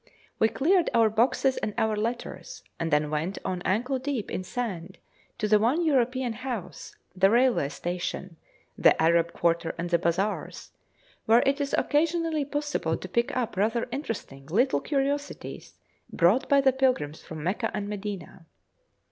We cleared our boxes and our letters, and then went on ankle deep in sand to the one European house, the railway station, the Arab quarter and the bazaars, where it is occasionally possible to pick up rather interesting little curiosities brought by the pilgrims from Mecca and Medina.